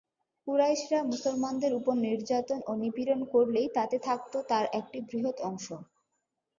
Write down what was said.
কুরাইশরা মুসলমানদের উপর নির্যাতন ও নিপীড়ন করলেই তাতে থাকত তার একটি বৃহৎ অংশ।